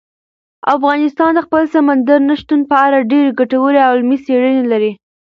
افغانستان د خپل سمندر نه شتون په اړه ډېرې ګټورې او علمي څېړنې لري.